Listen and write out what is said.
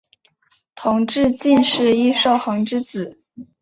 同治进士尹寿衡之子。